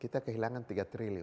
kita kehilangan tiga triliun